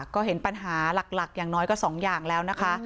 ก็เห็นปัญหาหลักอย่างน้อยก็สองอย่างแล้วนะคะ